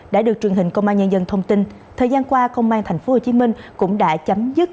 đã được truyền hình công an nhân dân thông tin thời gian qua công an tp hcm cũng đã chấm dứt